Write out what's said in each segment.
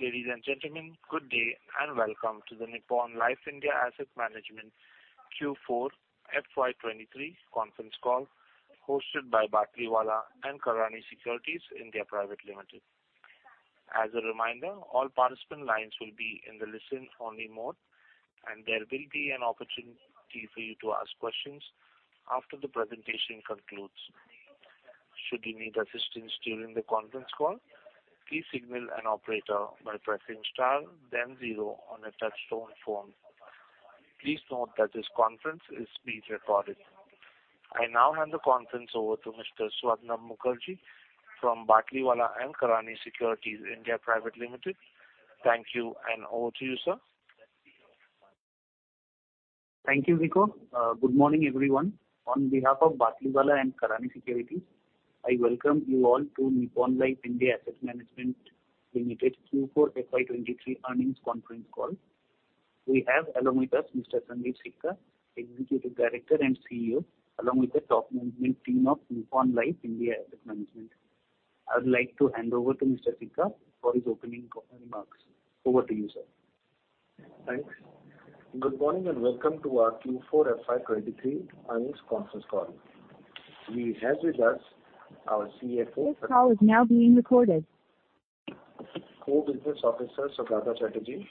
Ladies, and gentlemen, good day and welcome to the Nippon Life India Asset Management Q4 FY 2023 Conference Call hosted by Batlivala & Karani Securities India Private Limited. As a reminder, all participant lines will be in the listen-only mode, and there will be an opportunity for you to ask questions after the presentation concludes. Should you need assistance during the conference call, please signal an operator by pressing star then zero on a touchtone phone. Please note that this conference is being recorded. I now hand the conference over to Mr. Swarnabha Mukherjee from Batlivala & Karani Securities India Private Limited. Thank you, and over to you, sir. Thank you, Vikko. Good morning, everyone. On behalf of Batliwala and Karani Securities, I welcome you all to Nippon Life India Asset Management Limited Q4 FY 2023 earnings conference call. We have along with us Mr. Sundeep Sikka, Executive Director and CEO, along with the top management team of Nippon Life India Asset Management. I would like to hand over to Mr. Sikka for his opening co-remarks. Over to you, sir. Thanks. Good morning and welcome to our Q4 FY 2023 earnings conference call. We have with us our CFO- This call is now being recorded. Co-Business Officer, Saugata Chatterjee,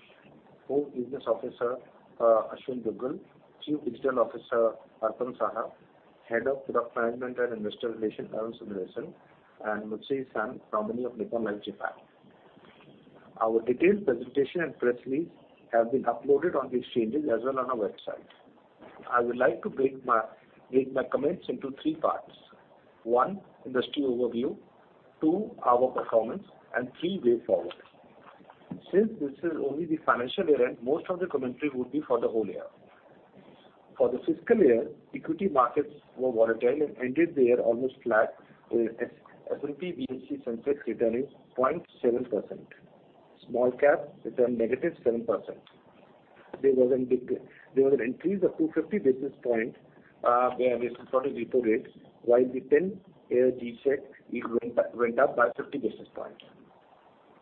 Co-Business Officer, Aashwin Dugal, Chief Digital Officer, Arpanarghya Saha, Head of Product Management and Investor Relations, Arun Sundaresan, and Ryuji San from the of Nippon Life Japan. Our detailed presentation and press release have been uploaded on the exchanges as well on our website. I would like to break my comments into three parts. One, industry overview. Two, our performance. Three, way forward. Since this is only the financial year-end, most of the commentary would be for the whole year. For the fiscal year, equity markets were volatile and ended the year almost flat with S&P BSE Sensex returning 0.7%. Small cap returned -7%. There was an increase of 250 basis points, where repo rates while the 10-year G-sec went up by 50 basis points.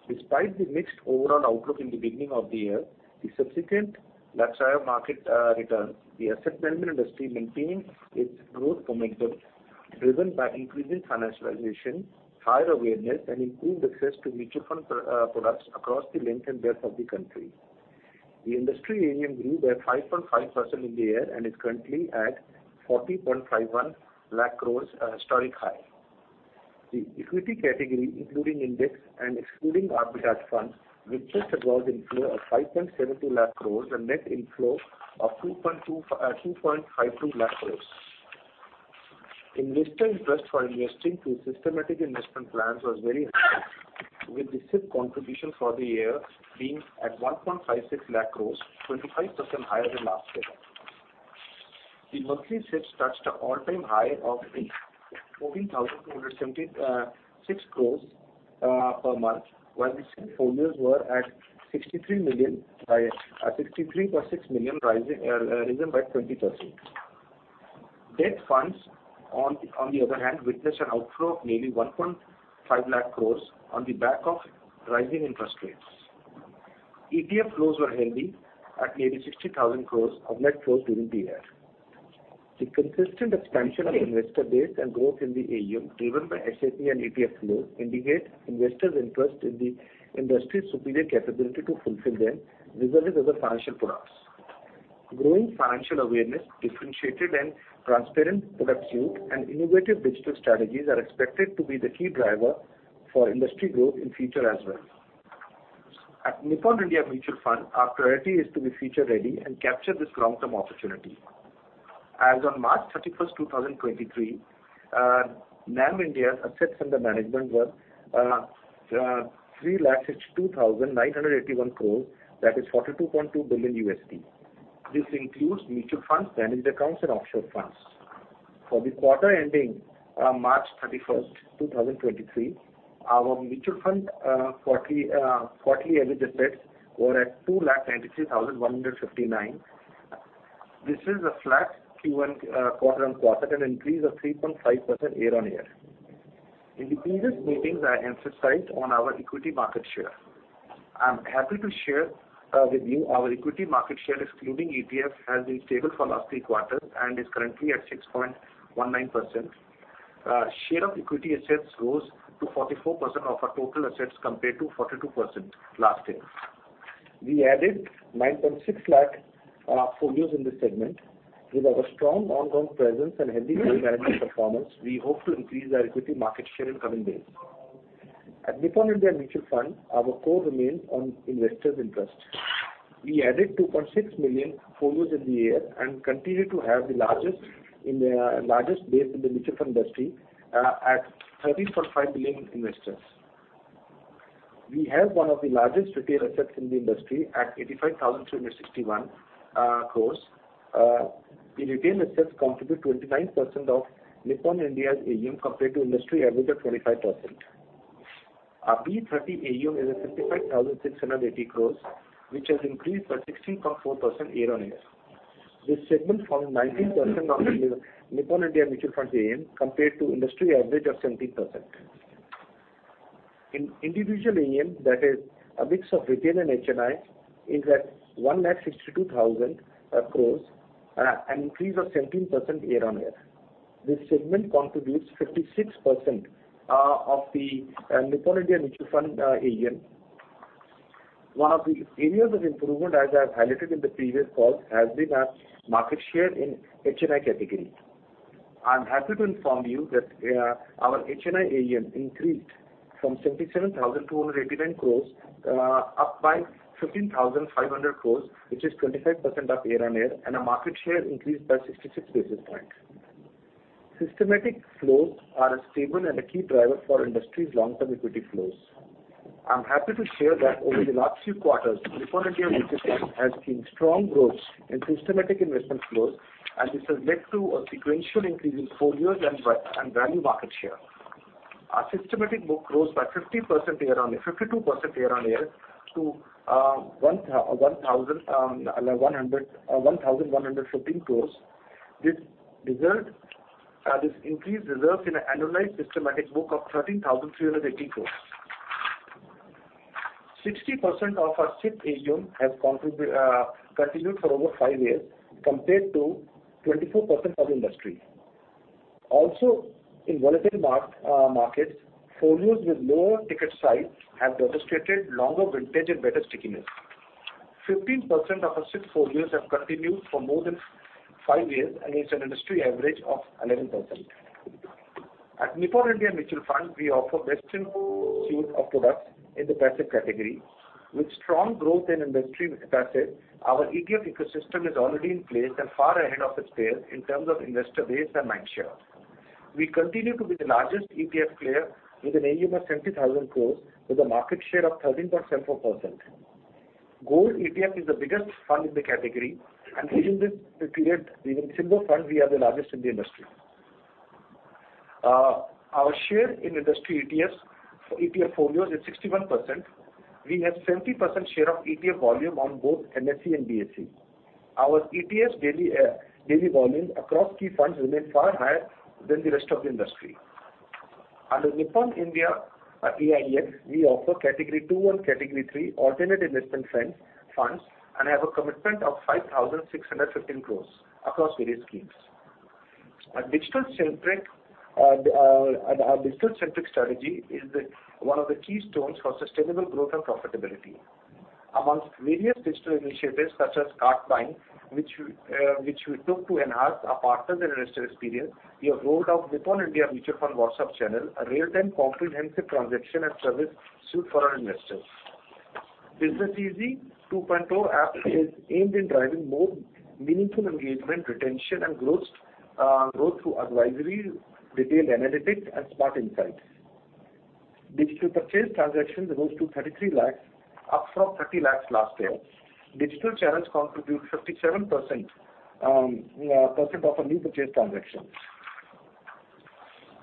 Despite the mixed overall outlook in the beginning of the year, the subsequent lackluster market returns, the asset management industry maintaining its growth momentum driven by increasing financialization, higher awareness and improved access to mutual fund products across the length and breadth of the country. The industry AUM grew by 5.5% in the year and is currently at 40.51 lakh crores, a historic high. The equity category, including index and excluding arbitrage funds, witnessed a gross inflow of 5.70 lakh crores, a net inflow of 2.52 lakh crores. Investor interest for investing through systematic investment plans was very high, with the SIP contribution for the year being at 1.56 lakh crores, 25% higher than last year. The monthly SIPs touched an all-time high of 14,276 crores per month, while the SIP folios were at 63.6 million risen by 20%. Debt funds on the other hand, witnessed an outflow of nearly 1.5 lakh crores on the back of rising interest rates. ETF flows were healthy at nearly 60,000 crores of net flows during the year. The consistent expansion of investor base and growth in the AUM driven by SIP and ETF flows indicate investors' interest in the industry's superior capability to fulfill their diverse set of financial products. Growing financial awareness, differentiated and transparent product suite and innovative digital strategies are expected to be the key driver for industry growth in future as well. At Nippon India Mutual Fund, our priority is to be future ready and capture this long-term opportunity. As on March 31st, 2023, NAM India's assets under management were 3,62,981 crore, that is $42.2 billion. This includes mutual funds, managed accounts and offshore funds. For the quarter ending March 31st, 2023, our mutual fund average assets were at 2,93,159. This is a flat Q1 quarter-over-quarter and an increase of 3.5% year-over-year. In the previous meetings, I emphasized on our equity market share. I'm happy to share with you our equity market share, excluding ETF, has been stable for last three quarters and is currently at 6.19%. Share of equity assets rose to 44% of our total assets compared to 42% last year. We added 9.6 lakh folios in this segment. With our strong on ground presence and healthy management performance, we hope to increase our equity market share in coming days. At Nippon India Mutual Fund, our core remains on investors' interest. We added 2.6 million folios in the year and continue to have the largest base in the mutual fund industry at 30.5 billion investors. We have one of the largest retail assets in the industry at 85,261 crore. The retail assets contribute 29% of Nippon India's AUM compared to industry average of 25%. Our B30 AUM is at 55,680 crore, which has increased by 16.4% year-on-year. This segment formed 19% of the Nippon India Mutual Fund's AUM compared to industry average of 17%. Individual AUM that is a mix of retail and HNI is at 162,000 crore, an increase of 17% year-on-year. This segment contributes 56% of the Nippon India Mutual Fund AUM. One of the areas of improvement, as I have highlighted in the previous calls, has been our market share in HNI category. I'm happy to inform you that our HNI AUM increased from 77,289 crores, up by 15,500 crores, which is 25% up year-on-year, and our market share increased by 66 basis points. Systematic flows are a stable and a key driver for industry's long-term equity flows. I'm happy to share that over the last few quarters, Nippon India Mutual Fund has seen strong growth in systematic investment flows, and this has led to a sequential increase in folios and value market share. Our systematic book grows by 52% year-on-year to INR 1,115 crores. This increase deserved in an annualized systematic book of 13,380 crores. 60% of our SIP AUM has continued for over five years compared to 24% for the industry. In volatile markets, folios with lower ticket size have demonstrated longer vintage and better stickiness. 15% of our SIP folios have continued for more than five years, against an industry average of 11%. At Nippon India Mutual Fund, we offer best-in-suite of products in the passive category. With strong growth in industry with passive, our ETF ecosystem is already in place and far ahead of its peers in terms of investor base and mind share. We continue to be the largest ETF player with an AUM of 70,000 crores, with a market share of 13.74%. Gold ETF is the biggest fund in the category, and within this period, even single fund we are the largest in the industry. Our share in industry ETF folios is 61%. We have 70% share of ETF volume on both NSE and BSE. Our ETF's daily daily volumes across key funds remain far higher than the rest of the industry. Under Nippon India AIF, we offer Category 2 and Category 3 alternate investment funds and have a commitment of 5,615 crore across various schemes. Our digital-centric strategy is the one of the keystones for sustainable growth and profitability. Amongst various digital initiatives such as Kartify, which we took to enhance our partners and investor experience, we have rolled out Nippon India Mutual Fund WhatsApp channel, a real-time comprehensive transaction and service suite for our investors. Business Easy 2.0 app is aimed in driving more meaningful engagement, retention and growth through advisories, detailed analytics and spot insights. Digital purchase transactions rose to 33 lakh, up from 30 lakh last year. Digital channels contribute 57% of our new purchase transactions.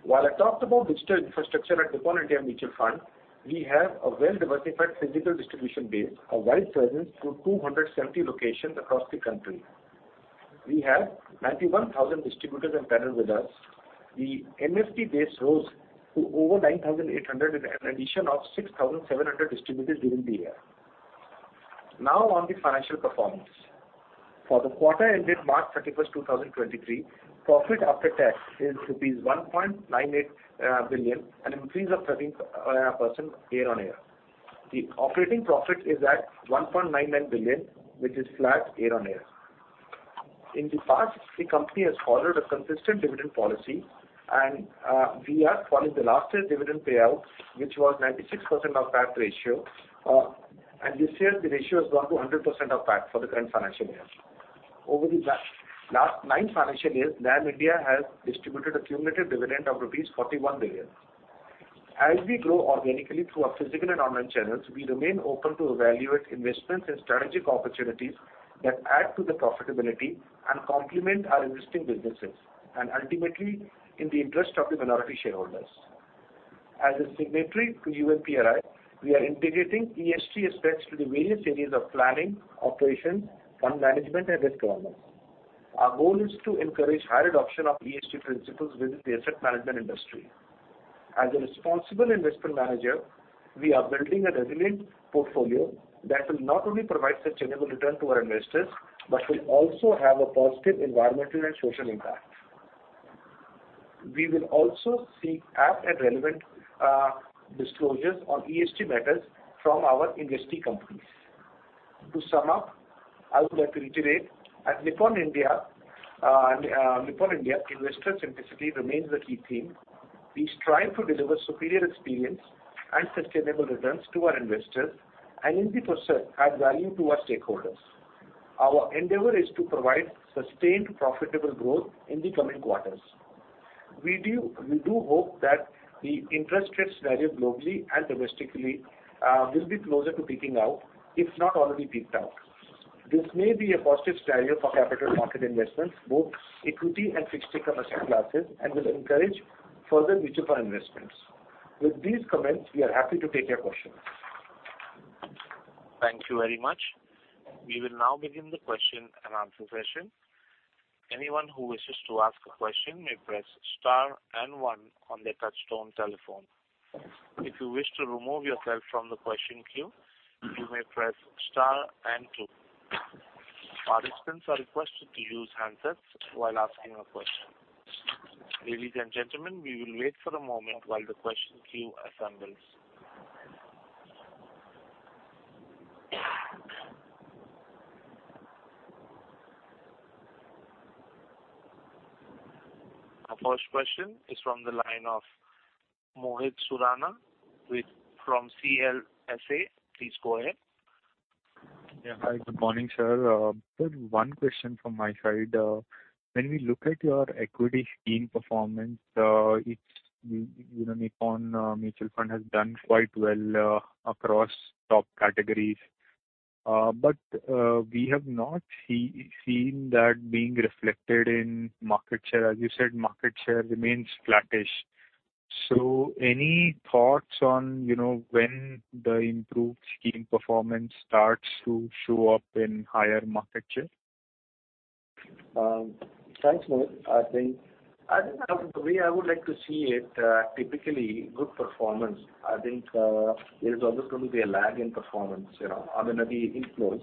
While I talked about digital infrastructure at Nippon India Mutual Fund, we have a well-diversified physical distribution base, a wide presence through 270 locations across the country. We have 91,000 distributors on panel with us. The MFD base rose to over 9,800 with an addition of 6,700 distributors during the year. On the financial performance. For the quarter ended March 31st, 2023, profit after tax is rupees 1.98 billion, an increase of 13% year-on-year. The operating profit is at 1.99 billion, which is flat year-on-year. In the past, the company has followed a consistent dividend policy, we have followed the last year's dividend payout, which was 96% of PAT ratio. This year the ratio has gone to 100% of PAT for the current financial year. Over the last nine financial years, Nippon India has distributed a cumulative dividend of rupees 41 billion. As we grow organically through our physical and online channels, we remain open to evaluate investments and strategic opportunities that add to the profitability and complement our existing businesses, and ultimately in the interest of the minority shareholders. As a signatory to UN PRI, we are integrating ESG aspects to the various areas of planning, operations, fund management and risk governance. Our goal is to encourage higher adoption of ESG principles within the asset management industry. As a responsible investment manager, we are building a resilient portfolio that will not only provide sustainable return to our investors, but will also have a positive environmental and social impact. We will also seek apt and relevant disclosures on ESG matters from our investee companies. To sum up, I would like to reiterate, at Nippon India investor centricity remains the key theme. We strive to deliver superior experience and sustainable returns to our investors and in the process add value to our stakeholders. Our endeavor is to provide sustained, profitable growth in the coming quarters. We do hope that the interest rates varied globally and domestically, will be closer to peaking out, if not already peaked out. This may be a positive scenario for capital market investments, both equity and fixed income asset classes, and will encourage further mutual fund investments. With these comments, we are happy to take your questions. Thank you very much. We will now begin the question-and-answer session. Anyone who wishes to ask a question may press star and one on their touchtone telephone. If you wish to remove yourself from the question queue, you may press star and two. Participants are requested to use handsets while asking a question. Ladies, and gentlemen, we will wait for a moment while the question queue assembles. Our first question is from the line of Mohit Surana From CLSA. Please go ahead. Yeah. Hi, good morning, sir. Just one question from my side. When we look at your equity scheme performance, it's, you know, Nippon India Mutual Fund has done quite well across top categories. We have not seen that being reflected in market share. As you said, market share remains flattish. Any thoughts on, you know, when the improved scheme performance starts to show up in higher market share? Thanks, Mohit. I think the way I would like to see it, typically good performance, I think, there is always going to be a lag in performance, you know, I mean, the inflows.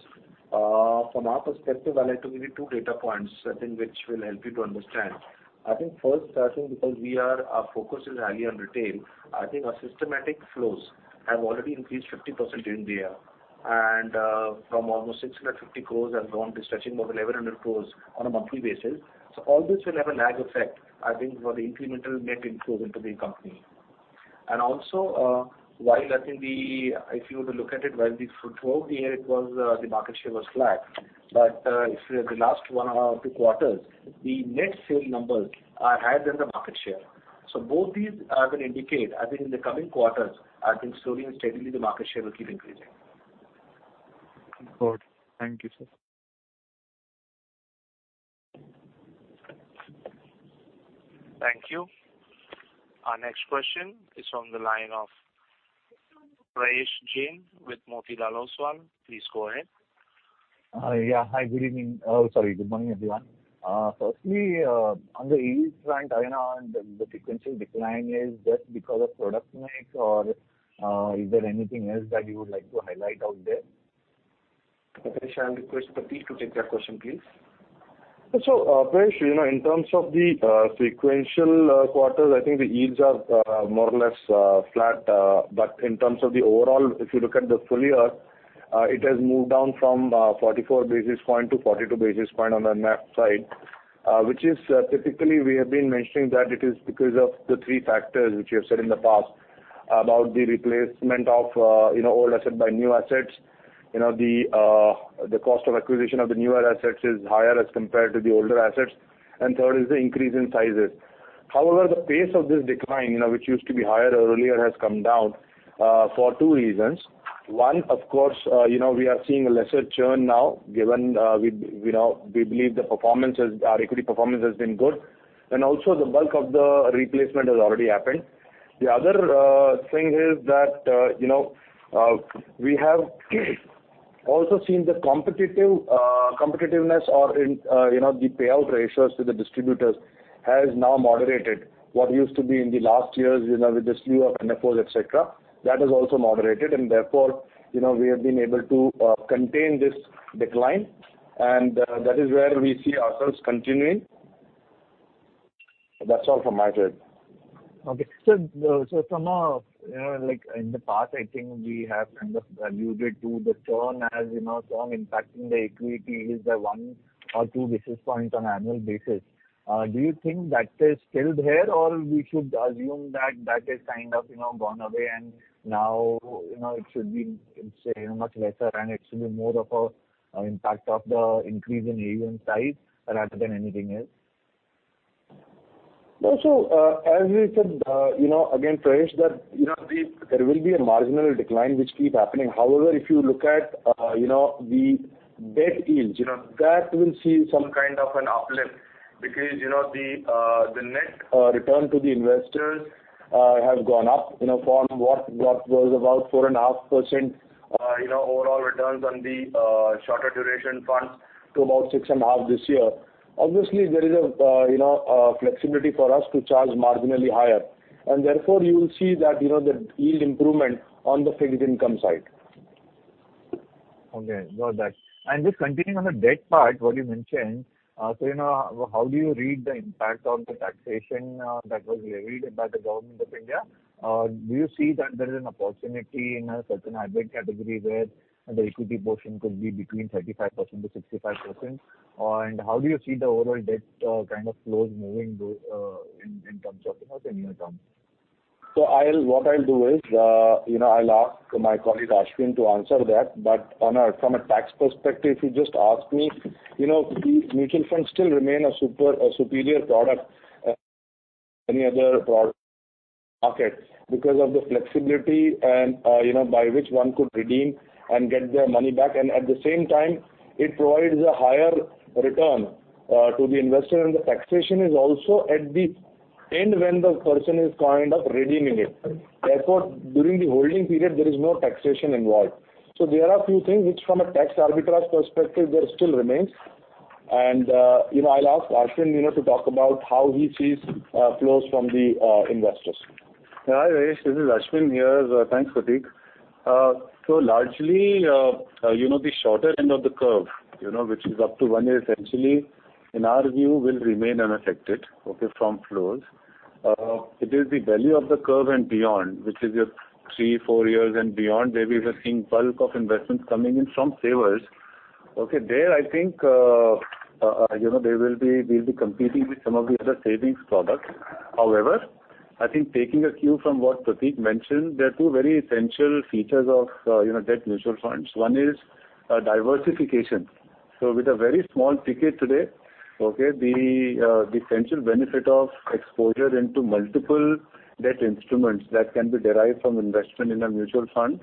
From our perspective, I'd like to give you two data points, I think, which will help you to understand. I think first, I think because our focus is highly on retail, I think our systematic flows have already increased 50% in the year and, from almost 650 crore have gone to stretching about 1,100 crore on a monthly basis. All this will have a lag effect, I think, for the incremental net inflows into the company. Also, while I think the... If you were to look at it, while throughout the year it was, the market share was flat. If the last one, two quarters, the net sale numbers are higher than the market share. Both these, I think, indicate, I think in the coming quarters, I think slowly and steadily the market share will keep increasing. Good. Thank you, sir. Thank you. Our next question is from the line of Prayesh Jain with Motilal Oswal. Please go ahead. Yeah. Hi, good evening. Sorry. Good morning, everyone. Firstly, on the yields front, I know the sequential decline is just because of product mix or, is there anything else that you would like to highlight out there? Prayesh, I'll request Prateek to take that question, please. Prayesh, you know, in terms of the sequential quarters, I think the yields are more or less flat. But in terms of the overall, if you look at the full year, it has moved down from 44 basis point to 42 basis point on the ETF side. Which is typically we have been mentioning that it is because of the three factors which you have said in the past about the replacement of, you know, old asset by new assets. You know, the cost of acquisition of the newer assets is higher as compared to the older assets. Third is the increase in sizes. However, the pace of this decline, you know, which used to be higher earlier, has come down for two reasons. One, of course, you know, we are seeing a lesser churn now, given, we now, we believe the performance is, our equity performance has been good, and also the bulk of the replacement has already happened. The other thing is that, you know, we have also seen the competitive, competitiveness or in you know, the payout ratios to the distributors has now moderated what used to be in the last years, you know, with the slew of NFOs, et cetera. That has also moderated and therefore, you know, we have been able to contain this decline, and that is where we see ourselves continuing. That's all from my side. Okay. From a, you know, like in the past I think we have kind of alluded to the churn as, you know, strong impact in the equity is the 1 or 2 basis points on annual basis. Do you think that is still there or we should assume that that is kind of, you know, gone away and now, you know, it should be, it's, you know, much lesser and it should be more of a, an impact of the increase in AUM size rather than anything else? No. As we said, you know, again, Prayesh that, you know, there will be a marginal decline which keep happening. However, if you look at, you know, the debt yield, you know, that will see some kind of an uplift because, you know, the net return to the investors have gone up, you know, from what was about 4.5%, you know, overall returns on the shorter duration funds to about 6.5% this year. Obviously, there is a, you know, a flexibility for us to charge marginally higher and therefore you will see that, you know, the yield improvement on the fixed income side. Okay. Got that. Just continuing on the debt part, what you mentioned, you know, how do you read the impact of the taxation, that was levied by the Government of India? Do you see that there is an opportunity in a certain hybrid category where the equity portion could be between 35%-65%? How do you see the overall debt, kind of flows moving through, in terms of, you know, the near term? I'll, what I'll do is, you know, I'll ask my colleague Aashwin to answer that. On a, from a tax perspective, if you just ask me, you know, mutual funds still remain a superior product any other product market because of the flexibility and, you know, by which one could redeem and get their money back, and at the same time, it provides a higher return to the investor. The taxation is also at the end when the person is kind of redeeming it. Therefore, during the holding period, there is no taxation involved. There are a few things which from a tax arbitrage perspective there still remains. You know, I'll ask Aashwin, you know, to talk about how he sees flows from the investors. Hi, Haresh. This is Aashwin here. Thanks, Prateek. Largely, you know, the shorter end of the curve, you know, which is up to 1 year essentially, in our view will remain unaffected, okay, from flows. It is the value of the curve and beyond, which is your 3, 4 years and beyond, where we were seeing bulk of investments coming in from savers. Okay, there, I think, you know, there will be we'll be competing with some of the other savings products. I think taking a cue from what Prateek mentioned, there are 2 very essential features of, you know, debt mutual funds. One is diversification. With a very small ticket today, okay, the essential benefit of exposure into multiple debt instruments that can be derived from investment in a mutual fund,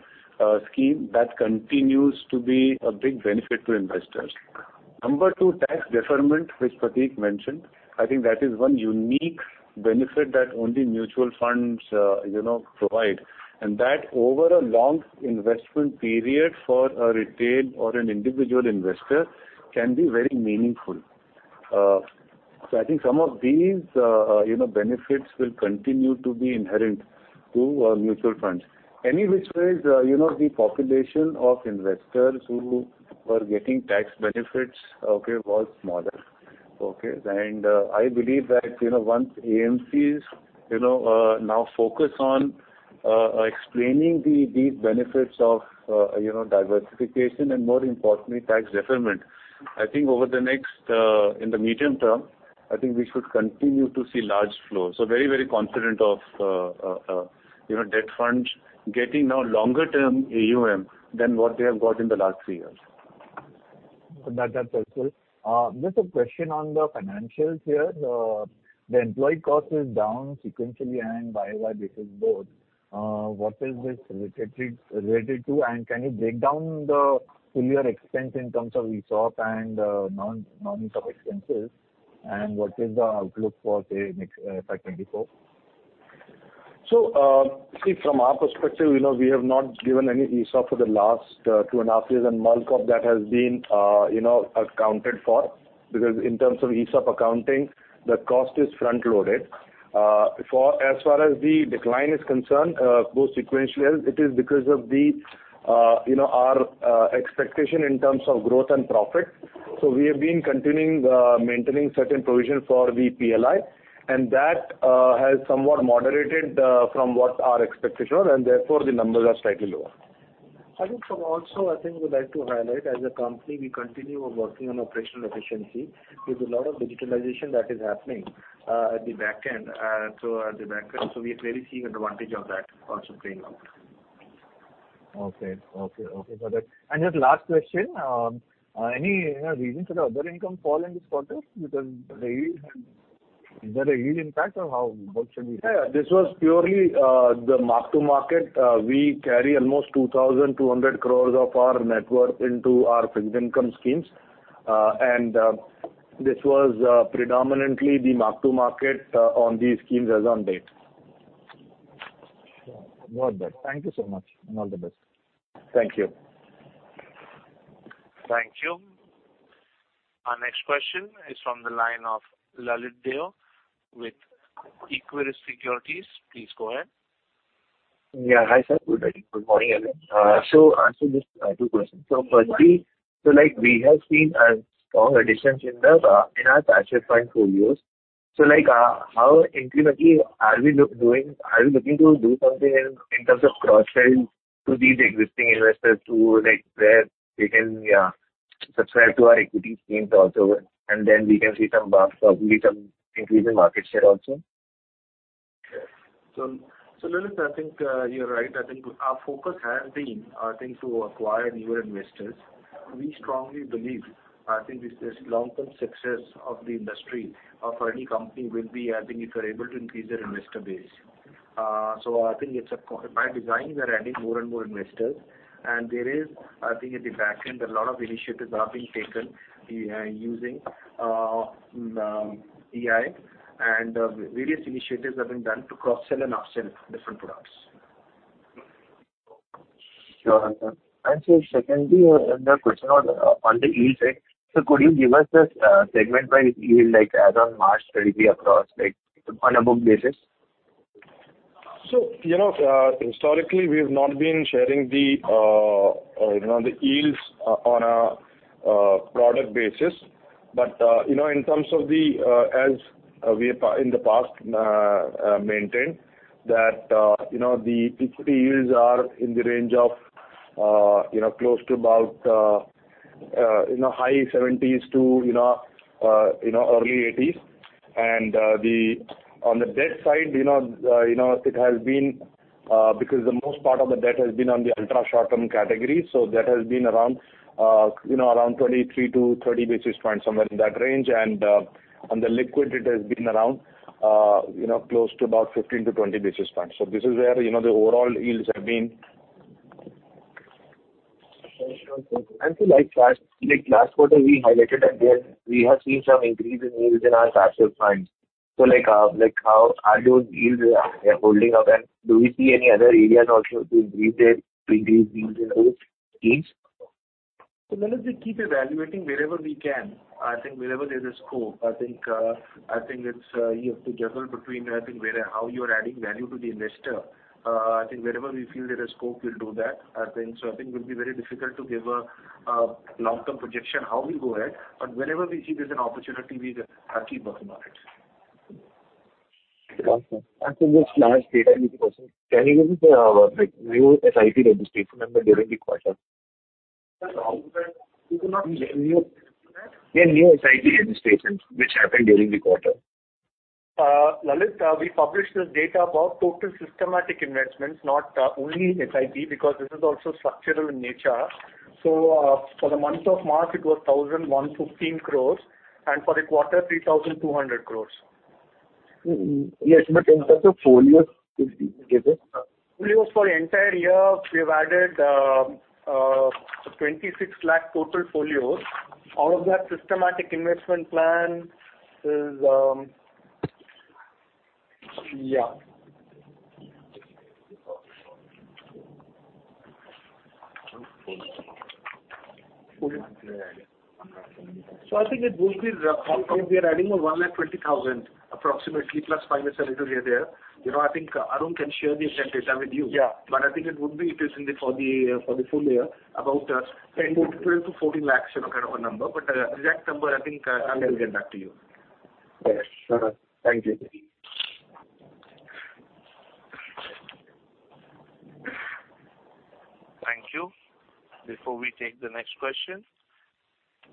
scheme, that continues to be a big benefit to investors. Number two, tax deferment, which Prateek mentioned. I think that is one unique benefit that only mutual funds, you know, provide. That over a long investment period for a retail or an individual investor can be very meaningful. I think some of these, you know, benefits will continue to be inherent to mutual funds. Any which ways, you know, the population of investors who were getting tax benefits, okay, was smaller, okay? I believe that, you know, once AMCs, you know, now focus on explaining the, these benefits of, you know, diversification and more importantly, tax deferment, I think over the next, in the medium term, I think we should continue to see large flows. Very, very confident of, you know, debt funds getting now longer term AUM than what they have got in the last three years. That, that's helpful. Just a question on the financials here. The employee cost is down sequentially and year-on-year basis both. What is this related to? And can you break down the full year expense in terms of ESOP and non-ESOP expenses? And what is the outlook for, say, next FY 2024? See, from our perspective, you know, we have not given any ESOP for the last two and a half years. And bulk of that has been, you know, accounted for because in terms of ESOP accounting, the cost is front loaded. For as far as the decline is concerned, both sequentially, it is because of the, you know, our expectation in terms of growth and profit. We have been continuing maintaining certain provision for the PLI, and that has somewhat moderated from what our expectations are, and therefore the numbers are slightly lower. I think from also, I think we'd like to highlight as a company we continue working on operational efficiency with a lot of digitalization that is happening at the back end. At the back end, we are clearly seeing advantage of that also playing out. Okay. Got it. Just last question. Any, you know, reason for the other income fall in this quarter? Because the yield had... Is there a yield impact or how? Yeah, this was purely the mark-to-market. We carry almost 2,200 crores of our net worth into our fixed income schemes. This was predominantly the mark-to-market on these schemes as on date. Sure. Note that. Thank you so much. All the best. Thank you. Thank you. Our next question is from the line of Lalit Deo with Equirus Securities. Please go ahead. Hi, sir. Good morning. Good morning, everyone. Aashwin, just two questions. Firstly, like we have seen a strong additions in the in our asset fund portfolios. Like how incrementally are we looking to do something in in terms of cross-sell to these existing investors to like where they can subscribe to our equity schemes also, we can see some bumps, probably some increase in market share also? Lalit, I think, you're right. I think our focus has been, I think, to acquire newer investors. We strongly believe, I think this long-term success of the industry or for any company will be, I think, if they're able to increase their investor base. I think it's by design, we are adding more and more investors and there is, I think at the back end, a lot of initiatives are being taken, using AI and various initiatives have been done to cross-sell and upsell different products. Sure. Secondly, the question on the yield side. Could you give us the segment by yield, like as on March 20 across, like on a book basis? You know, historically, we've not been sharing the, you know, the yields on a product basis. You know, in terms of the, as we've in the past maintained that, you know, the equity yields are in the range of, you know, close to about, you know, high 70s to, you know, early 80s. On the debt side, you know, it has been because the most part of the debt has been on the ultra short-term category. That has been around, you know, around 23-30 basis points, somewhere in that range. On the liquid it has been around, you know, close to about 15-20 basis points. This is where, you know, the overall yields have been. Like last quarter we highlighted that there we have seen some increase in yields in our tax save funds. Like how are those yields holding up? Do we see any other areas also to increase these yields gains? Let us keep evaluating wherever we can. I think wherever there's a scope, I think, I think it's, you have to juggle between I think where... how you are adding value to the investor. I think wherever we feel there is scope, we'll do that. I think so I think it will be very difficult to give a long-term projection how we'll go ahead, but wherever we see there's an opportunity, we just have to keep working on it. for this last data with you, can you give me the, like new SIP registrations number during the quarter? Sorry, how was that? You cannot hear me? The new SIP registrations which happened during the quarter. Lalit, we published this data about total systematic investments, not only SIP because this is also structural in nature. For the month of March, it was 1,115 crores and for the quarter, 3,200 crores. Mm-hmm. Yes, but in terms of folios, could you give it? Folios for the entire year we have added 26 lakh total folios. Out of that systematic investment plan is, yeah. I think it would be roughly if we are adding 1 lakh 20,000 approximately plus minus a little here there. You know, I think Arun can share the exact data with you. Yeah. I think it would be interestingly for the for the full year about 10 lakh to 12 lakh to 14 lakh kind of a number. Exact number I think Arun will get back to you. Yes. Thank you. Thank you. Before we take the next question,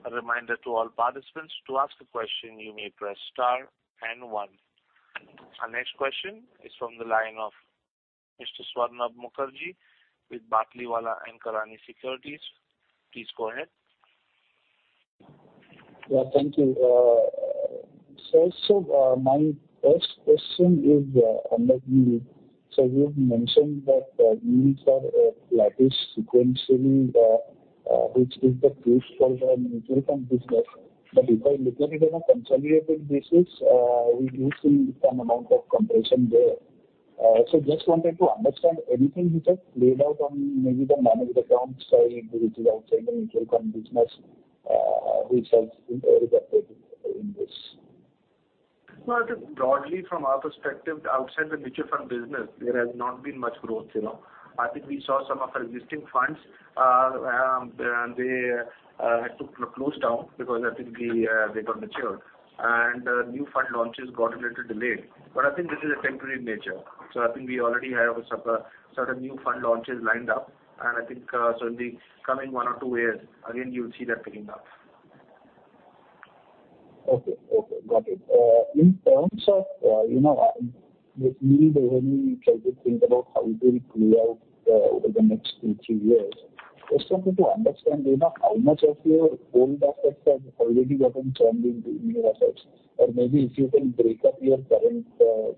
a reminder to all participants, to ask a question you may press star and one. Our next question is from the line of Mr. Swarnabha Mukherjee with Batlivala & Karani Securities India Private Limited. Please go ahead. Yeah, thank you. My first question is, understanding you. You've mentioned that yields are flattish sequentially, which is the case for the mutual fund business. If I look at it on a consolidated basis, we do see some amount of compression there. Just wanted to understand anything which has played out on maybe the managed account side, which is outside the mutual fund business, which has been very affected in this. I think broadly from our perspective, outside the mutual fund business there has not been much growth, you know. I think we saw some of our existing funds, they had to close down because I think we, they got matured and new fund launches got a little delayed. I think this is temporary in nature. I think we already have a certain new fund launches lined up. I think in the coming one or two years, again, you'll see that picking up. Okay. Okay. Got it. In terms of, you know, with me when we try to think about how it will play out, over the next two, three years, just wanted to understand, you know, how much of your old assets have already gotten churned into newer assets? Maybe if you can break up your current,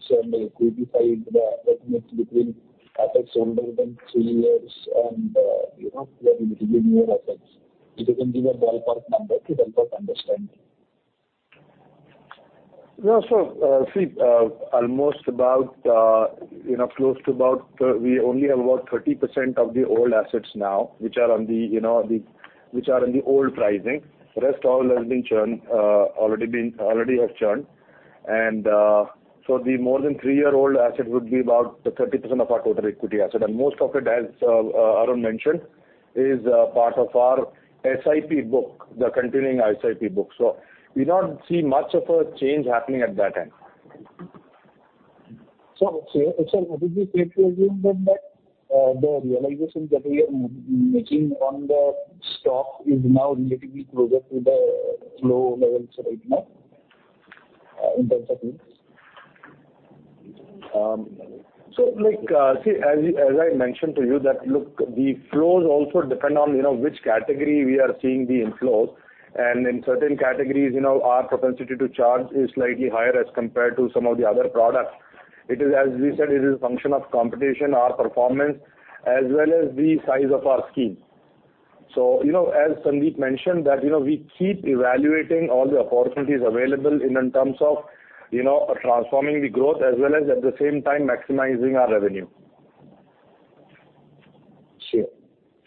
say maybe equity side, the mix between assets older than three years and, you know, the newer assets. If you can give a ballpark number to better understand. No. almost about, you know, close to about, we only have about 30% of the old assets now, which are on the, you know, which are in the old pricing. The rest all has been churned, already have churned. The more than three year-old asset would be about the 30% of our total equity asset. Most of it, as Arun mentioned, is part of our SIP book, the continuing SIP book. We don't see much of a change happening at that end. Would it be fair to assume then that the realizations that we are making on the stock is now relatively closer to the flow levels right now, in terms of mix? Like, see, as I mentioned to you that look, the flows also depend on, you know, which category we are seeing the inflows. In certain categories, you know, our propensity to charge is slightly higher as compared to some of the other products. It is as we said, it is a function of competition or performance as well as the size of our scheme. You know, as Sundeep mentioned that, you know, we keep evaluating all the opportunities available in terms of, you know, transforming the growth as well as at the same time maximizing our revenue.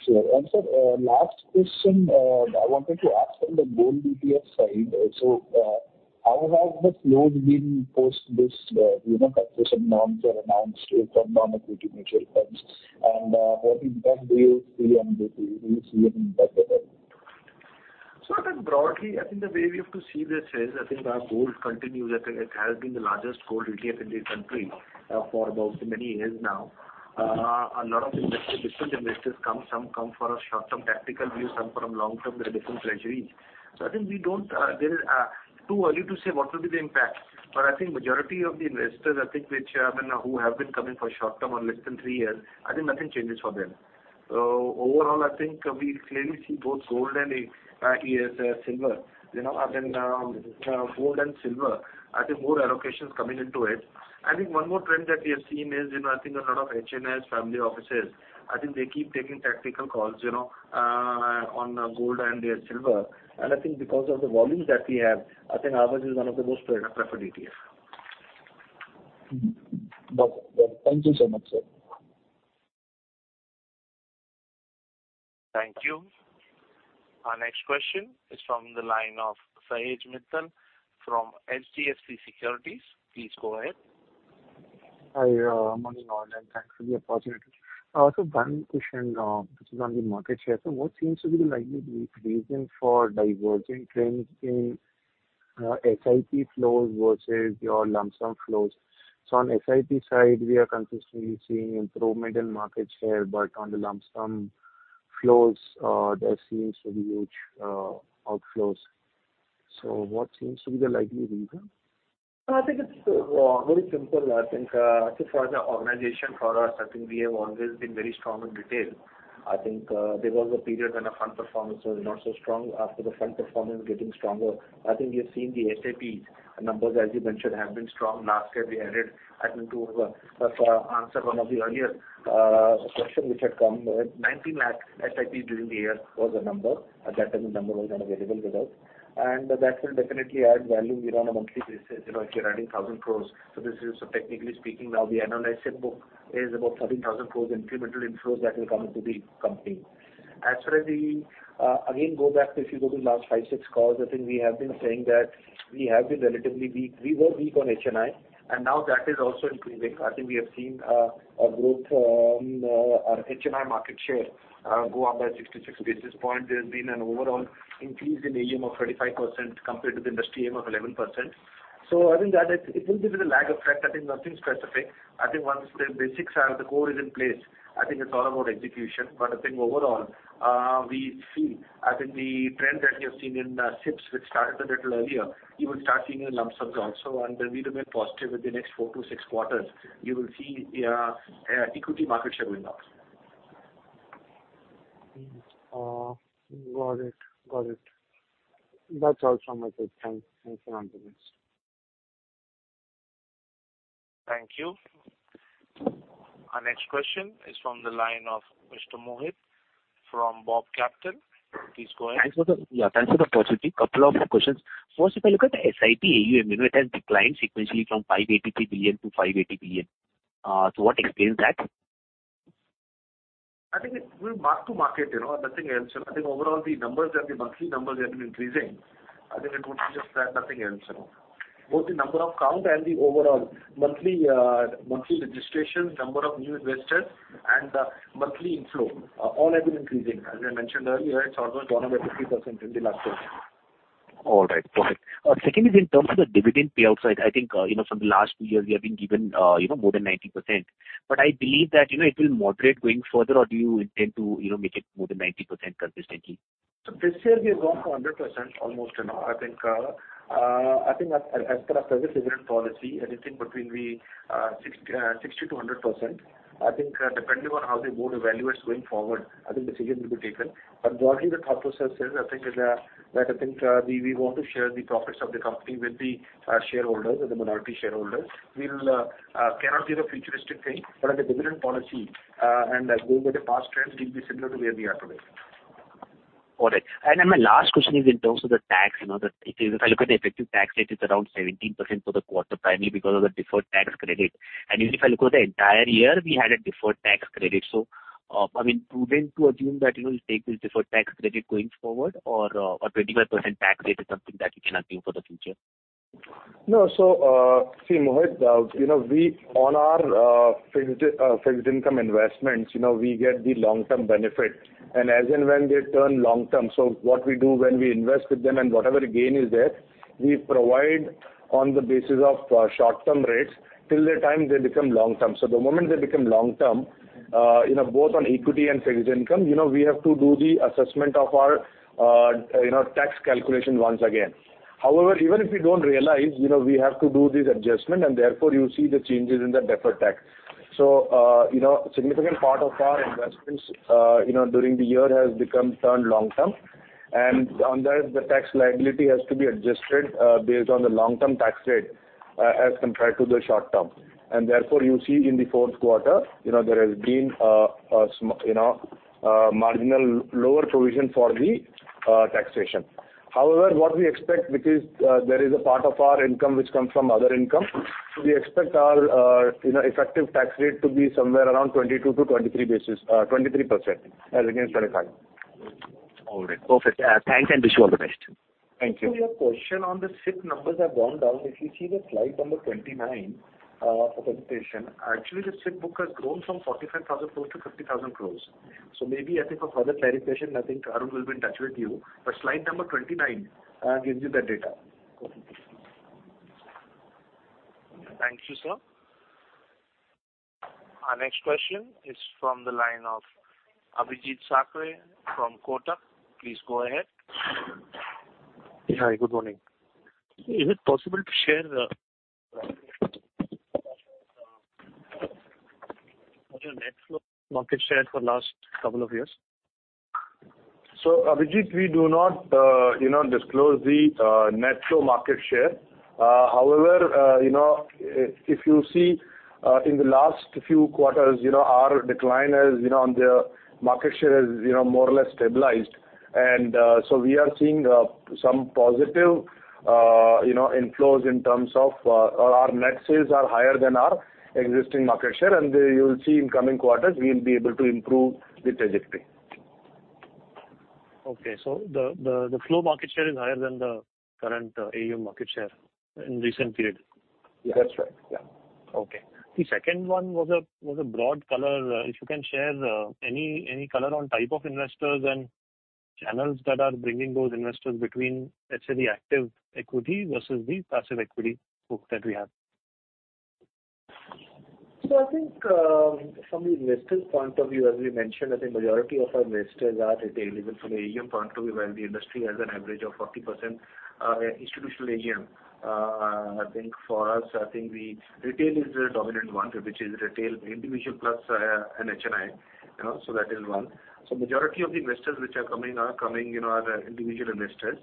Sure. Sure. Sir, last question, I wanted to ask on the gold ETF side. How have the flows been post this, you know, compression norms were announced for non-equity mutual funds and, what impact do you see on the DPs even further? Broadly, I think the way we have to see this is our gold continues. It has been the largest gold ETF in the country for about many years now. A lot of investors, different investors come, some come for a short-term tactical view, some for a long term with a different treasury. We don't. There is too early to say what will be the impact. Majority of the investors, I mean, who have been coming for short-term or less than three years, nothing changes for them. Overall, we clearly see both gold and silver. You know, gold and silver, more allocations coming into it. I think one more trend that we have seen is, you know, I think a lot of HNIs family offices, I think they keep taking tactical calls, you know, on gold and their silver. I think because of the volumes that we have, I think ours is one of the most preferred ETF. Well, thank you so much, sir. Thank you. Our next question is from the line of Sahej Mittal from HDFC Securities. Please go ahead. Hi, morning all, thanks for the opportunity. One question, which is on the market share. What seems to be the likely reason for diverging trends in SIP flows versus your lump sum flows? On SIP side, we are consistently seeing improved middle market share, but on the lump sum flows, there seems to be huge outflows. What seems to be the likely reason? I think it's very simple. I think for the organization, for us, I think we have always been very strong in retail. I think there was a period when the fund performance was not so strong. After the fund performance getting stronger, I think we have seen the SIP numbers, as you mentioned, have been strong. Last year we added, I think to answer one of the earlier question which had come. 19 lakh SIP during the year was the number. At that time the number was not available with us. That will definitely add value. You know, on a monthly basis, you know, if you're adding 1,000 crore. This is, technically speaking, now the annual SIP book is about 13,000 crore incremental inflows that will come into the company. As far as the, again, if you go back to last five, six calls, I think we have been saying that we have been relatively weak. We were weak on HNI, and now that is also increasing. I think we have seen a growth on HNI market share go up by 66 basis points. There has been an overall increase in AUM of 35% compared to the industry AUM of 11%. I think that it will be with a lag effect. I think nothing specific. I think once the basics are, the core is in place, I think it's all about execution. I think overall, we see, I think the trend that you have seen in SIPs which started a little earlier, you will start seeing in lump sums also. We remain positive with the next four to six quarters, you will see equity market share going up. Got it. Got it. That's all from my side. Thanks. Thanks a lot for this. Thank you. Our next question is from the line of Mr. Mohit from BOB Capital. Please go ahead. Thanks for the, yeah, thanks for the opportunity. Couple of questions. First, if I look at the SIP AUM, you know, it has declined sequentially from $583 billion to $580 billion. What explains that? I think it will mark to market, you know, nothing else. I think overall the numbers and the monthly numbers have been increasing. I think it would be just that, nothing else, you know. Both the number of count and the overall monthly registrations, number of new investors and, monthly inflow, all have been increasing. As I mentioned earlier, it's almost gone up by 50% in the last year. All right, perfect. Second is in terms of the dividend payout side. I think, you know, from the last two years we have been given, you know, more than 90%. I believe that, you know, it will moderate going further or do you intend to, you know, make it more than 90% consistently? This year we have gone for 100% almost, you know. As per our service dividend policy, anything between we 60%-100%. Depending on how the board evaluates going forward, decision will be taken. Broadly the thought process is we want to share the profits of the company with the shareholders, with the minority shareholders. We'll cannot give a futuristic thing. On the dividend policy and going by the past trends, we'll be similar to where we are today. All right. Then my last question is in terms of the tax, you know, if I look at the effective tax rate, it's around 17% for the quarter, primarily because of the deferred tax credit. Even if I look over the entire year, we had a deferred tax credit. I mean, prudent to assume that, you know, we'll take this deferred tax credit going forward or 25% tax rate is something that we can assume for the future? No. see Mohit, you know, we on our fixed fixed income investments, you know, we get the long-term benefit and as and when they turn long term. What we do when we invest with them and whatever gain is there, we provide on the basis of short-term rates till the time they become long term. The moment they become long term, you know, both on equity and fixed income, you know, we have to do the assessment of our, you know, tax calculation once again. However, even if we don't realize, you know, we have to do this adjustment and therefore you see the changes in the deferred tax. you know, significant part of our investments, you know, during the year has become turned long term. On that the tax liability has to be adjusted, based on the long-term tax rate, as compared to the short term. Therefore, you see in the fourth quarter, you know, there has been, you know, marginal lower provision for the taxation. What we expect, which is, there is a part of our income which comes from other income. We expect our, you know, effective tax rate to be somewhere around 22 to 23 basis, 23% as against 25%. All right, perfect. Thanks and wish you all the best. Thank you. Your question on the SIP numbers have gone down. If you see the slide number 29 of the presentation, actually the SIP book has grown from 45,000 crores to 50,000 crores. Maybe I think for further clarification, I think Arun will be in touch with you. Slide number 29 gives you that data. Thank you, sir. Our next question is from the line of Abhijeet Sakhare from Kotak. Please go ahead. Hi, good morning. Is it possible to share the net flow market share for last couple of years? Abhijeet, we do not, you know, disclose the net flow market share. However, you know, if you see in the last few quarters, you know, our decline as, you know, on the market share is, you know, more or less stabilized. We are seeing some positive, you know, inflows in terms of our net sales are higher than our existing market share. You will see in coming quarters we will be able to improve the trajectory. Okay. The flow market share is higher than the current AUM market share in recent period? That's right. Yeah. Okay. The second one was a broad color. If you can share any color on type of investors and channels that are bringing those investors between, let's say, the active equity versus the passive equity group that we have. I think, from the investor's point of view, as we mentioned, I think majority of our investors are retail. Even from the AUM point of view, while the industry has an average of 40%, institutional AUM, I think for us, I think retail is the dominant one, which is retail individual plus, an HNI, you know, that is one. Majority of the investors which are coming, you know, are the individual investors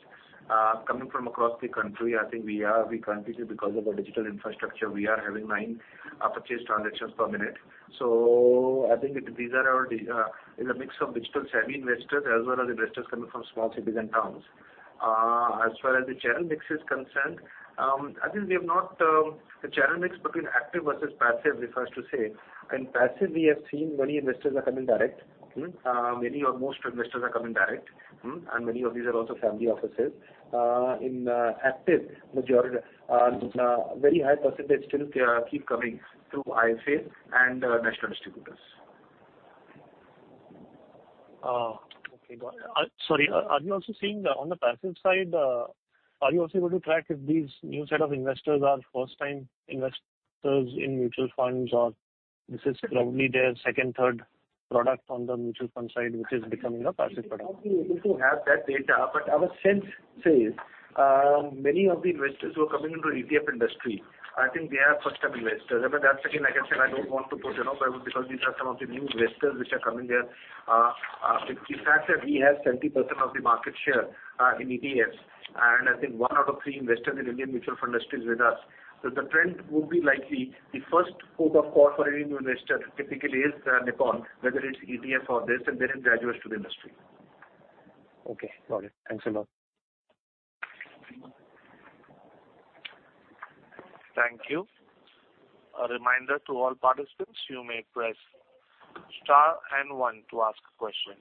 coming from across the country. I think we are, we continue because of our digital infrastructure. We are having nine purchase transactions per minute. I think these are a mix of digital-savvy investors as well as investors coming from small cities and towns. As far as the channel mix is concerned, I think we have not, the channel mix between active versus passive refers to say. In passive we have seen many investors are coming direct. Many or most investors are coming direct. Many of these are also family offices. In active majority, very high percentage still keep coming through IFAs and national distributors. Okay. Sorry. Are you also seeing on the passive side, are you also able to track if these new set of investors are first time investors in mutual funds or this is probably their second, third product on the mutual fund side, which is becoming a passive product? We won't be able to have that data, but our sense says many of the investors who are coming into ETF industry, I think they are first-time investors. That's again, like I said, I don't want to put, you know, because these are some of the new investors which are coming there. The fact that we have 70% of the market share in ETFs, and I think one out of three investors in Indian mutual fund industry is with us. The trend would be likely the first port of call for any new investor typically is Nippon, whether it's ETF or this, and then it graduates to the industry. Okay, got it. Thanks a lot. Thank you. A reminder to all participants, you may press star and 1 to ask a question.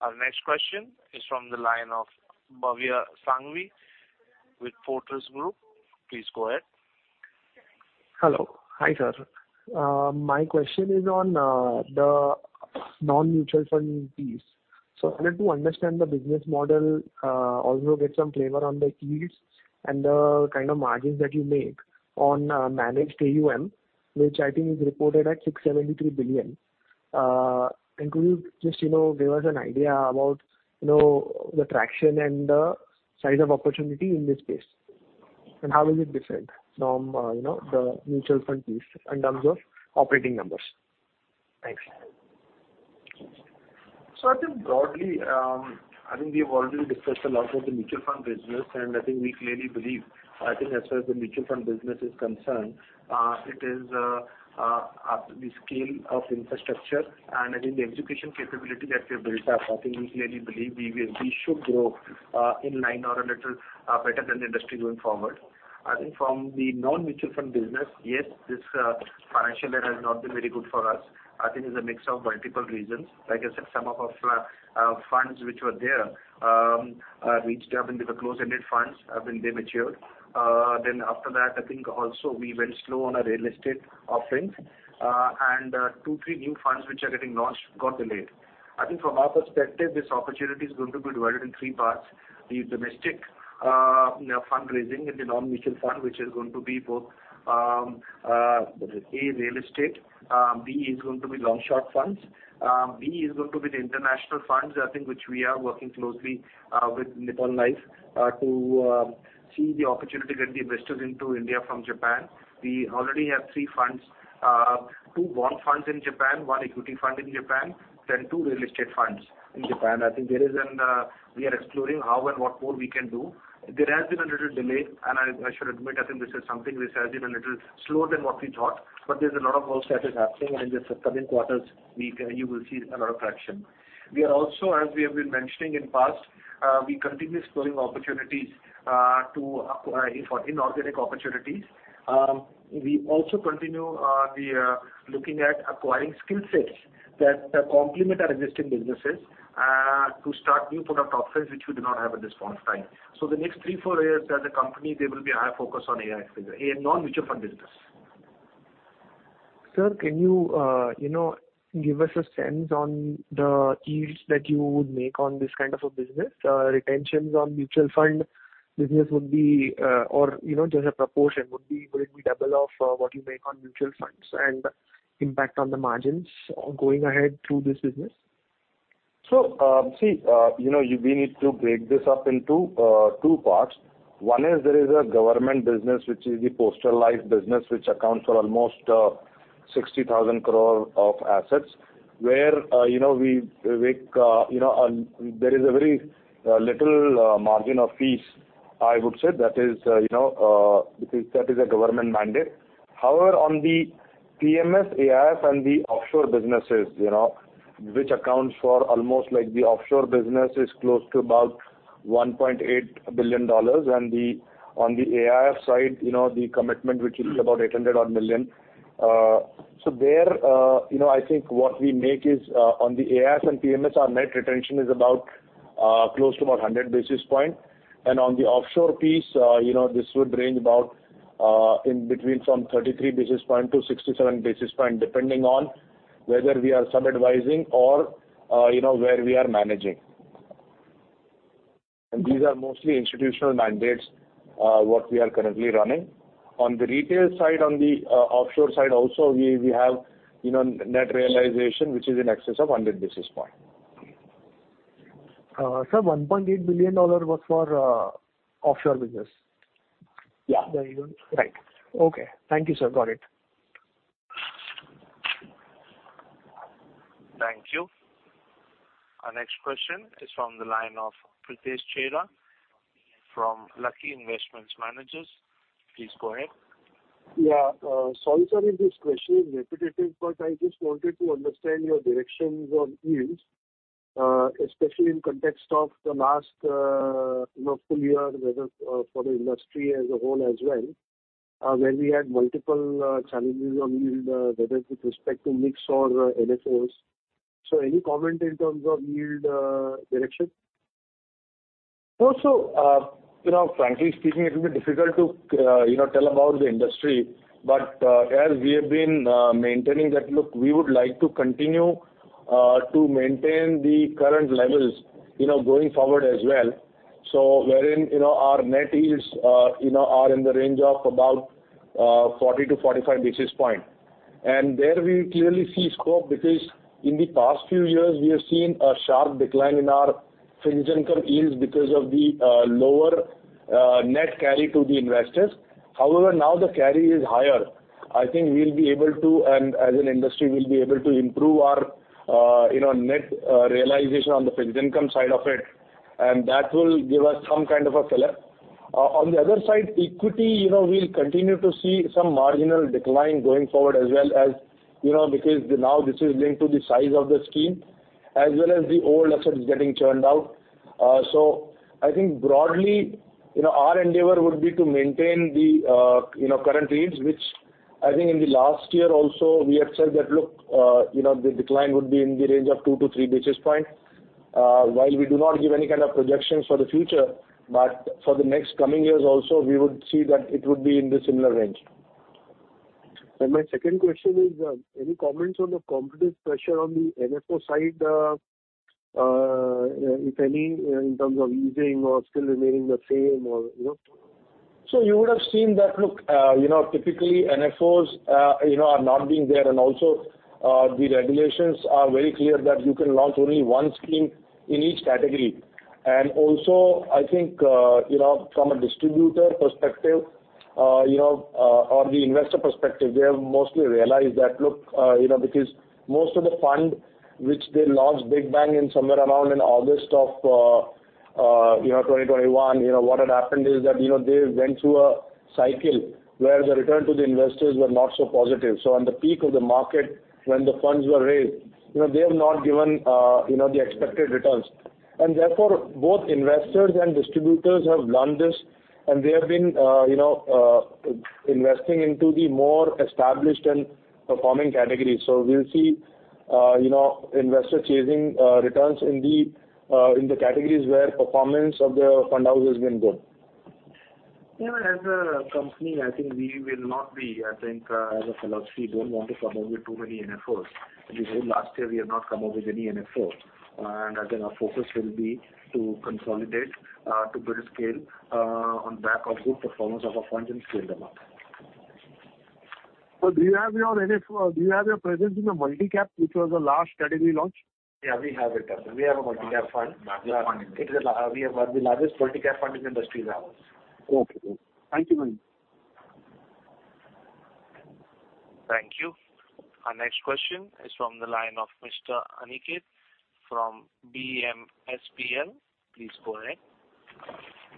Our next question is from the line of Bhavya Sanghvi with Fortress Group. Please go ahead. Hello. Hi, sir. My question is on the non-mutual fund piece. I wanted to understand the business model, also get some flavor on the fees and the kind of margins that you make on managed AUM, which I think is reported at $673 billion. Could you just, you know, give us an idea about, you know, the traction and the size of opportunity in this space? How is it different from, you know, the mutual fund piece in terms of operating numbers? Thanks. I think broadly, I think we have already discussed a lot of the mutual fund business, and I think we clearly believe, I think as far as the mutual fund business is concerned, it is the scale of infrastructure and I think the execution capability that we have built up. I think we clearly believe we should grow in line or a little better than the industry going forward. I think from the non-mutual fund business, yes, this financial year has not been very good for us. I think it's a mix of multiple reasons. Like I said, some of our funds which were there, reached up into the close-ended funds when they matured. After that, I think also we went slow on our real estate offerings, two, three new funds which are getting launched got delayed. I think from our perspective, this opportunity is going to be divided in three parts: the domestic fundraising in the non-mutual fund, which is going to be both, A, real estate, B is going to be long-short funds. B is going to be the international funds, I think, which we are working closely with Nippon Life to see the opportunity get the investors into India from Japan. We already have three funds, two bond funds in Japan, one equity fund in Japan, two real estate funds in Japan. I think there is we are exploring how and what more we can do. There has been a little delay, and I should admit, I think this is something which has been a little slower than what we thought. There's a lot of work that is happening and in the coming quarters you will see a lot of traction. We are also, as we have been mentioning in past, we continue exploring opportunities to acquire inorganic opportunities. We also continue looking at acquiring skill sets that complement our existing businesses to start new product offers which we do not have at this point of time. The next three, four years as a company, there will be a high focus on AI non-mutual fund business. Sir, can you know, give us a sense on the yields that you would make on this kind of a business? Retentions on mutual fund business would be, or, you know, just a proportion would be, would it be double of, what you make on mutual funds and impact on the margins going ahead through this business? We need to break this up into two parts. One is there is a government business, which is the postal life business, which accounts for almost 60,000 crore of assets, where we make there is a very little margin of fees, I would say. That is because that is a government mandate. However, on the PMS, AIF and the offshore businesses, which accounts for almost the offshore business is close to about $1.8 billion and the, on the AIF side, the commitment which is about $800 odd million. There, I think what we make is on the AIF and PMS, our net retention is about close to about 100 basis points. On the offshore piece, you know, this would range about in between from 33 basis points to 67 basis points, depending on whether we are sub-advising or, you know, where we are managing. These are mostly institutional mandates, what we are currently running. On the retail side, on the offshore side also, we have, you know, net realization which is in excess of 100 basis points. Sir, $1.8 billion was for offshore business? Yeah. The yield. Right. Okay. Thank you, sir. Got it. Thank you. Our next question is from the line of Pritesh Chheda from Lucky Investment Managers. Please go ahead. Yeah. Sorry sir if this question is repetitive, but I just wanted to understand your directions on yields, especially in context of the last, you know, full year, whether for the industry as a whole as well, where we had multiple, challenges on yield, whether with respect to mix or NFOs. Any comment in terms of yield, direction? No. Frankly speaking, it will be difficult to, you know, tell about the industry. As we have been maintaining that look, we would like to continue to maintain the current levels, you know, going forward as well. Wherein, you know, our net yields, you know, are in the range of about 40-45 basis point. There we clearly see scope because in the past few years we have seen a sharp decline in our fixed income yields because of the lower net carry to the investors. However, now the carry is higher. I think we'll be able to, and as an industry we'll be able to improve our, you know, net realization on the fixed income side of it, and that will give us some kind of a fillip. On the other side, equity, you know, we'll continue to see some marginal decline going forward as well as, you know, because now this is linked to the size of the scheme as well as the old assets getting churned out. I think broadly, you know, our endeavor would be to maintain the, you know, current yields, which I think in the last year also we have said that, look, you know, the decline would be in the range of 2-3 basis point. While we do not give any kind of projections for the future, for the next coming years also, we would see that it would be in the similar range. My second question is, any comments on the competitive pressure on the NFO side, if any, in terms of easing or still remaining the same or, you know? You would have seen that, look, you know, typically NFOs, you know, are not being there. Also, the regulations are very clear that you can launch only one scheme in each category. Also, I think, you know, from a distributor perspective, you know, or the investor perspective, they have mostly realized that, look, you know, because most of the fund which they launched big bang in somewhere around in August of, 2021, you know, what had happened is that, you know, they went through a cycle where the return to the investors were not so positive. On the peak of the market when the funds were raised, you know, they have not given, you know, the expected returns. Therefore, both investors and distributors have learned this, and they have been, you know, investing into the more established and performing categories. We'll see, you know, investors chasing returns in the categories where performance of the fund house has been good. Even as a company, I think we will not be, I think, as a philosophy, don't want to come up with too many NFOs. As I said, last year we have not come up with any NFO. I think our focus will be to consolidate, to build scale, on back of good performance of our funds and scale them up. Do you have your presence in the multi-cap, which was the last category launch? Yeah, we have it. We have a multi-cap fund. Multi-cap fund. It's the we have one of the largest multi-cap fund in the industry as well. Okay. Thank you, Manish. Thank you. Our next question is from the line of Mr. Aniket from BMSPL. Please go ahead.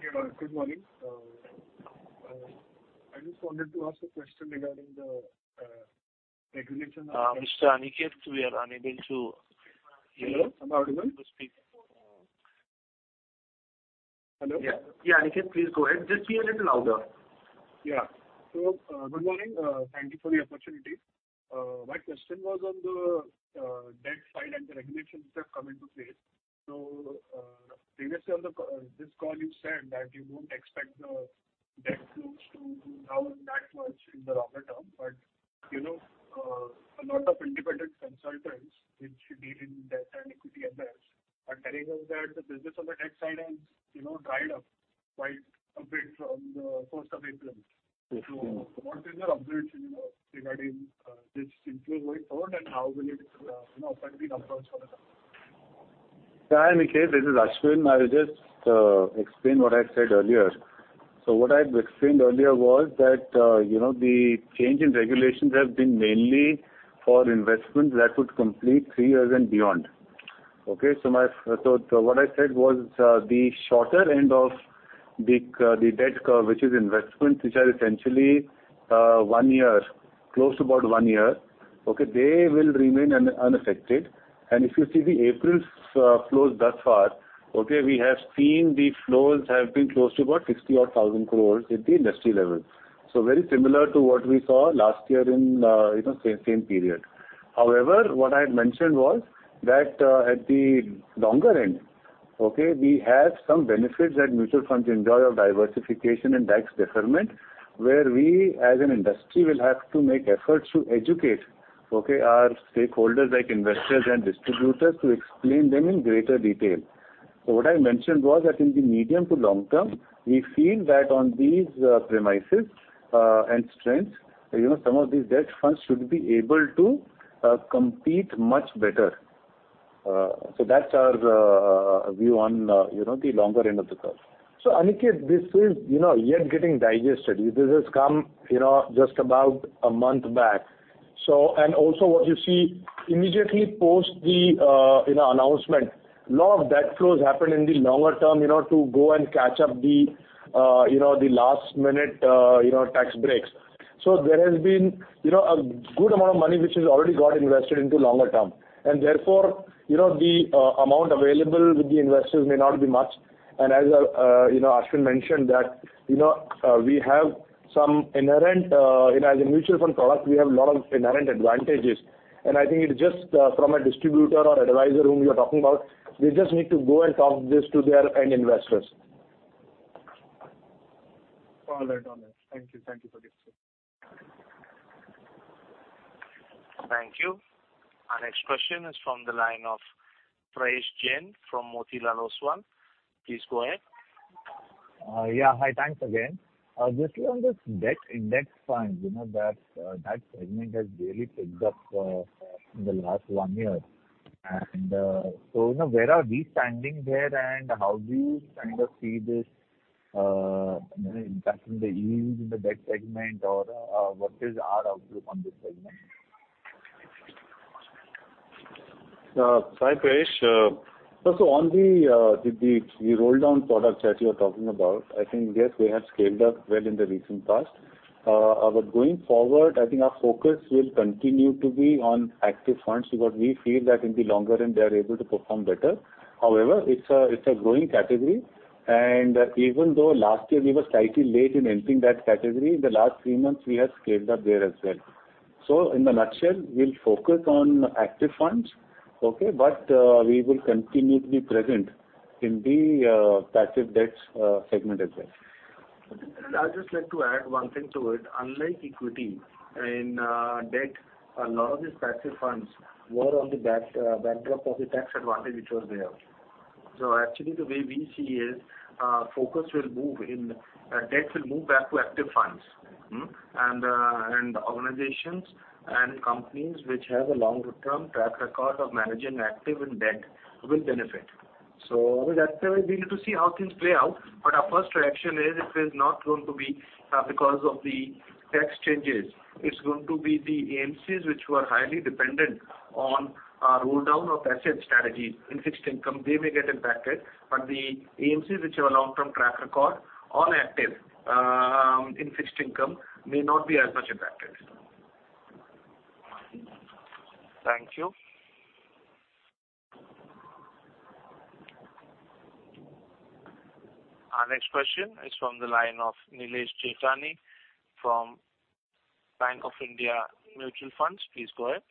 Yeah. Good morning. I just wanted to ask a question regarding the. Mr. Aniket, we are unable to hear you. Hello. Am I audible? To speak. Hello? Yeah. Yeah, Aniket, please go ahead. Just be a little louder. Yeah. good morning. Thank you for the opportunity. My question was on the debt side and the regulations that come into place. Previously on the this call you said that you don't expect the Debt flows to, not much in the longer term, but, you know, a lot of independent consultants which deal in debt and equity affairs are telling us that the business on the debt side has, you know, dried up quite a bit from the first of April. Yes. What is your observation, you know, regarding this inflow going forward and how will it, you know, affect the numbers for the company? Yeah, hi, Aniket, this is Aashwin. I'll just explain what I said earlier. What I had explained earlier was that, you know, the change in regulations have been mainly for investments that would complete three years and beyond. What I said was, the shorter end of the debt curve, which is investments which are essentially one year, close to about one year, they will remain unaffected. If you see the April flows thus far, we have seen the flows have been close to about 60,000-odd crores at the industry level. Very similar to what we saw last year in, you know, same period. However, what I had mentioned was that at the longer end, we have some benefits that mutual funds enjoy of diversification and tax deferment, where we, as an industry, will have to make efforts to educate our stakeholders like investors and distributors to explain them in greater detail. What I mentioned was that in the medium to long term, we feel that on these premises and strengths, you know, some of these debt funds should be able to compete much better. That's our view on, you know, the longer end of the curve. Aniket, this is, you know, yet getting digested. This has come, you know, just about a month back. And also what you see immediately post the, you know, announcement, lot of debt flows happen in the longer term, you know, to go and catch up the, you know, the last minute, you know, tax breaks. There has been, you know, a good amount of money which has already got invested into longer term. Therefore, you know, the amount available with the investors may not be much. As, you know, Aashwin mentioned that, you know, we have some inherent, you know, as a mutual fund product, we have a lot of inherent advantages. I think it just, from a distributor or advisor whom you're talking about, they just need to go and talk this to their end investors. All right. All right. Thank you. Thank you this. [inaudible] Thank you. Our next question is from the line of Prayesh Jain from Motilal Oswal. Please go ahead. Yeah. Hi, thanks again. Just on this debt index fund, you know, that segment has really picked up, in the last one year. You know, where are we standing there, and how do you kind of see this, you know, impacting the yields in the debt segment or, what is our outlook on this segment? Hi, Prayesh. So on the roll down products that you're talking about, I think, yes, we have scaled up well in the recent past. But going forward, I think our focus will continue to be on active funds because we feel that in the longer run they are able to perform better. However, it's a, it's a growing category, and even though last year we were slightly late in entering that category, in the last three months we have scaled up there as well. In a nutshell, we'll focus on active funds, okay, but we will continue to be present in the passive debts segment as well. I'd just like to add one thing to it. Unlike equity, in debt, a lot of these passive funds were on the back backdrop of the tax advantage which was there. Actually the way we see is, focus will move in debt will move back to active funds. Organizations and companies which have a longer term track record of managing active and debt will benefit. With that said, we need to see how things play out, but our first reaction is it is not going to be because of the tax changes. It's going to be the AMCs which were highly dependent on roll down or passive strategies in fixed income, they may get impacted. The AMCs which have a long term track record on active in fixed income may not be as much impacted. Thank you. Our next question is from the line of Nilesh Jethani from Bank of India Mutual Fund. Please go ahead.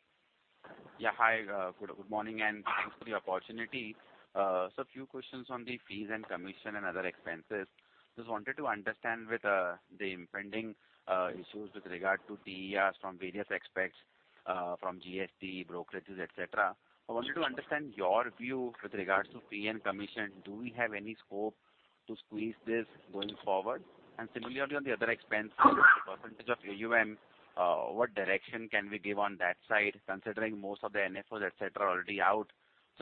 Yeah. Hi. Good morning. Thanks for the opportunity. A few questions on the fees and commission and other expenses. Just wanted to understand with the impending issues with regard to TERs from various aspects, from GST, brokerages, et cetera. I wanted to understand your view with regards to fee and commission. Do we have any scope to squeeze this going forward? Similarly, on the other expense percentage of AUM, what direction can we give on that side considering most of the NFOs, et cetera, are already out.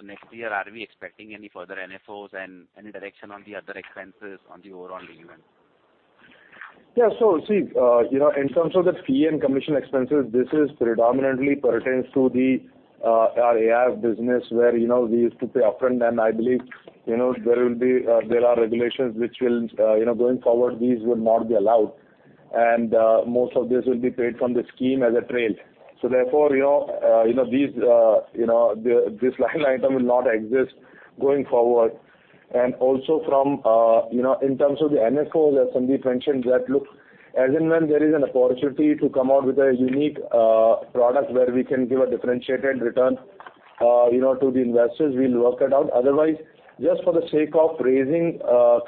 Next year, are we expecting any further NFOs and any direction on the other expenses on the overall AUM? See, you know, in terms of the fee and commission expenses, this is predominantly pertains to the our AIF business where, you know, we used to pay upfront and I believe, you know, there will be, there are regulations which will, you know, going forward, these would not be allowed. Most of this will be paid from the scheme as a trail. Therefore, you know, these, you know, the, this line item will not exist going forward. Also from, you know, in terms of the NFOs that Sundeep mentioned that look, as and when there is an opportunity to come out with a unique, product where we can give a differentiated return, you know, to the investors, we'll work it out. Otherwise, just for the sake of raising,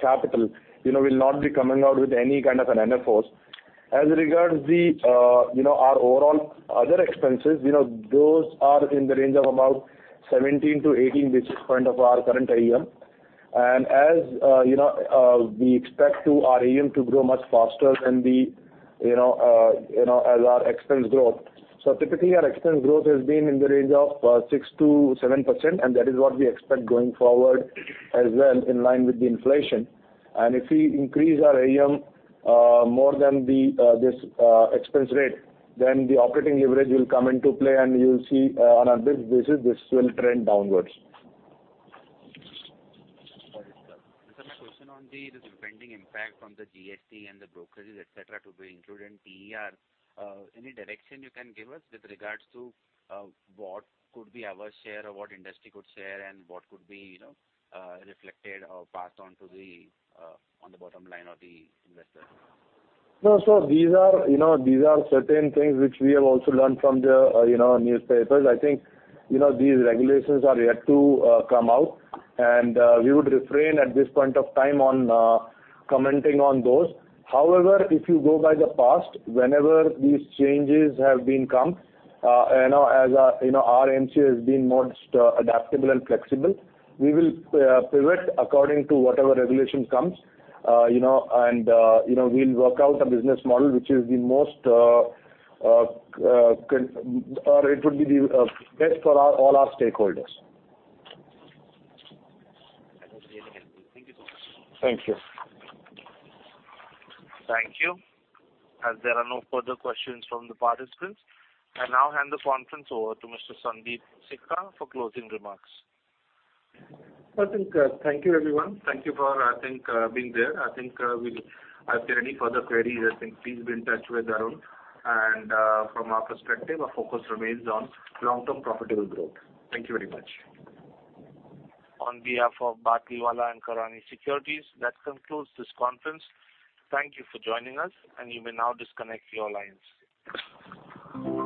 capital, you know, we'll not be coming out with any kind of an NFOs. As regards the, you know, our overall other expenses, you know, those are in the range of about 17-18 basis points of our current AUM. As, you know, we expect to our AUM to grow much faster than the, you know, as our expense growth. Typically, our expense growth has been in the range of 6%-7%, and that is what we expect going forward as well in line with the inflation. If we increase our AUM, more than the, this, expense rate, then the operating leverage will come into play and you'll see, on a base basis, this will trend downwards. Got it, sir. Sir, my question on the pending impact from the GST and the brokerages, et cetera, to be included in TER. Any direction you can give us with regards to what could be our share or what industry could share and what could be, you know, reflected or passed on to the bottom line of the investor? These are, you know, these are certain things which we have also learned from the, you know, newspapers. I think, you know, these regulations are yet to come out, and we would refrain at this point of time on commenting on those. However, if you go by the past, whenever these changes have been come, you know, as, you know, our AMC has been most adaptable and flexible, we will pivot according to whatever regulation comes. You know, and, you know, we'll work out a business model, which is the most best for our, all our stakeholders. That was really helpful. Thank you so much. Thank you. Thank you. As there are no further questions from the participants, I now hand the conference over to Mr. Sundeep Sikka for closing remarks. I think, thank you everyone. Thank you for, I think, being there. I think. If there are any further queries, I think please be in touch with Arun. From our perspective, our focus remains on long-term profitable growth. Thank you very much. On behalf of Batlivala & Karani Securities, that concludes this conference. Thank you for joining us, you may now disconnect your lines.